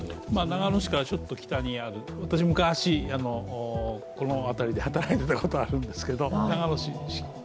長野市からちょっと北にある、私、昔この辺りで働いてたことがあるんですけど、長野市。